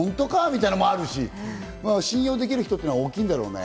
みたいなのもあるし、信用できる人っていうのは大きいだろうね。